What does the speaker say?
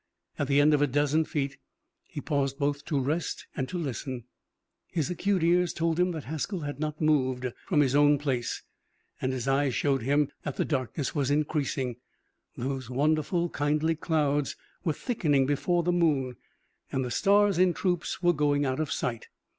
At the end of a dozen feet, he paused both to rest and to listen. His acute ears told him that Haskell had not moved from his own place, and his eyes showed him that the darkness was increasing. Those wonderful, kindly clouds were thickening before the moon, and the stars in troops were going out of sight.